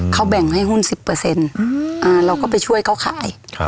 เขาแบ่งให้หุ้น๑๐เราก็ไปช่วยเขาขาย